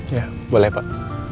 ya boleh pak